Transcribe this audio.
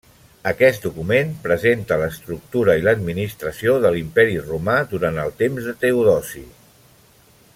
Aquest document presenta l'estructura i l'administració de l'Imperi romà durant el temps de Teodosi.